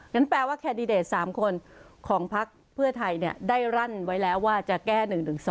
แปลว่าแคนดิเดต๓คนของพักเพื่อไทยได้รั่นไว้แล้วว่าจะแก้๑๑๒